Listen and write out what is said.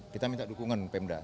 kita minta dukungan pemda